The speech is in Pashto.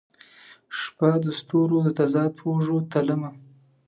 شپه د ستورو د تضاد په اوږو تلمه